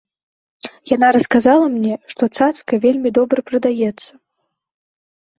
Яна расказала мне, што цацка вельмі добра прадаецца.